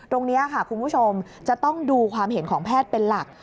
ตรงนี้ค่ะคุณผู้ชมจะต้องดูความเห็นของแพทย์เป็นหลัก